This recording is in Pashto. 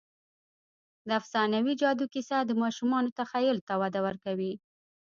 د افسانوي جادو کیسه د ماشومانو تخیل ته وده ورکوي.